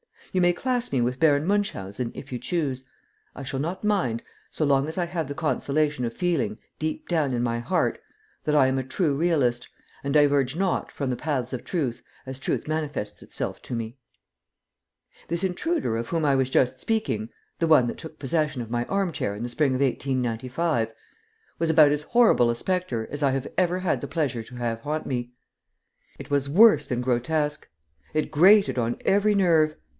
You may class me with Baron Munchausen if you choose; I shall not mind so long as I have the consolation of feeling, deep down in my heart, that I am a true realist, and diverge not from the paths of truth as truth manifests itself to me. This intruder of whom I was just speaking, the one that took possession of my arm chair in the spring of 1895, was about as horrible a spectre as I have ever had the pleasure to have haunt me. It was worse than grotesque. It grated on every nerve.